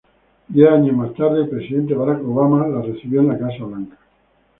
Diez años más tarde, el presidente Barack Obama la recibió en la Casa Blanca.